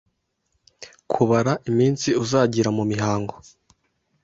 Kubara iminsi uzagira mumihango